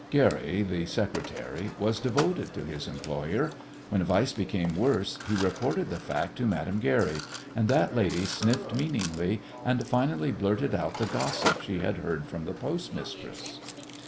Guerry, the secretary, was devoted to his employer. When Weiss became worse he reported the fact to Madame Guerry, and that lady sniffed meaningly and finally blurted out the gossip she had heard from the postmistress.